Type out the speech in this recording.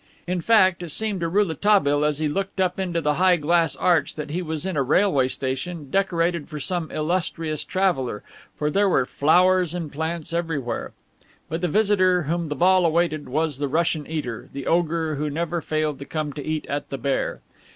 In fact, it seemed to Rouletabille as he looked up into the high glass arch that he was in a railway station decorated for some illustrious traveler, for there were flowers and plants everywhere. But the visitor whom the ball awaited was the Russian eater, the ogre who never failed to come to eat at The Bear.